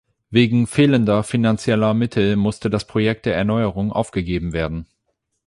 Wegen fehlender finanzieller Mittel musste das Projekt der Erneuerung aufgegeben werden.